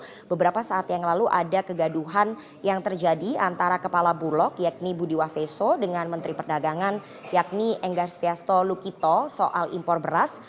karena kita tahu beberapa saat yang lalu ada kegaduhan yang terjadi antara kepala burlok yakni budi waseso dengan menteri perdagangan yakni enggertiasto lukito soal impor beras